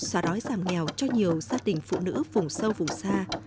xóa đói giảm nghèo cho nhiều gia đình phụ nữ vùng sâu vùng xa